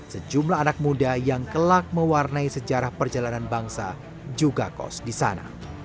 sejumlah anak muda yang kelak mewarnai sejarah perjalanan bangsa juga kos di sana